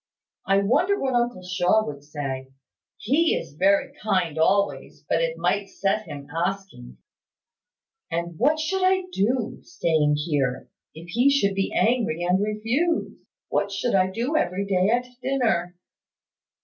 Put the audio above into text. I wonder what uncle Shaw would say. He is very kind always, but it might set him asking " "And what should I do, staying here, if he should be angry and refuse? What should I do every day at dinner?"